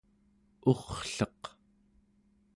urrleq